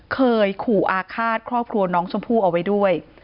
เคยขู่อาฆาตครอบครัวน้องชมพู่เอาไว้ด้วย